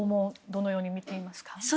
どのように見ていますか？